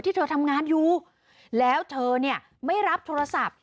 เธอทำงานอยู่แล้วเธอเนี่ยไม่รับโทรศัพท์